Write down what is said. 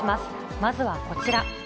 まずはこちら。